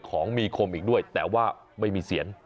ของมีคมอีกด้วยแต่ว่าไม่มีเสียน